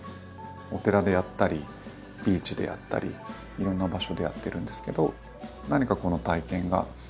お寺でやったりビーチでやったりいろんな場所でやってるんですけど。